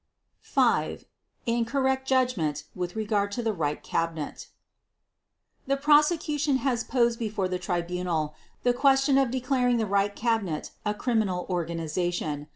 V. Incorrect Judgment with regard to the Reich Cabinet The Prosecution has posed before the Tribunal the question of declaring the Reich Cabinet a criminal organization.